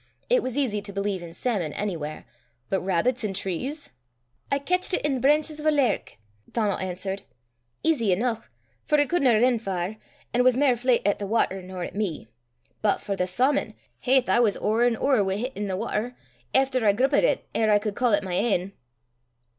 It was easy to believe in salmon anywhere, but rabbits in trees! "I catched it i' the brainches o' a lairick (larch)," Donal answered, "easy eneuch, for it cudna rin far, an' was mair fleyt at the watter nor at me; but for the sawmon, haith I was ower an' ower wi' hit i' the watter, efter I gruppit it, er I cud ca' 't my ain."